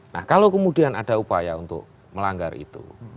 nah kalau kemudian ada upaya untuk melanggar itu